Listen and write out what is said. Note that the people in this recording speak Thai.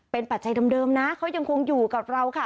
เป็นปัจจัยเดิมนะเขายังคงอยู่กับเราค่ะ